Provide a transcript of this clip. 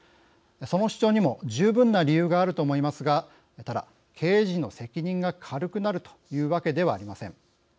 その主張にも十分な理由があると思いますがただ、経営陣の責任が軽くなるというわけではありません。